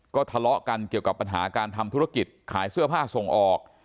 ก็ทะเลาะกันเกี่ยวกับปัญหาการทำธุรกิจขายเสื้อผ้าส่งออก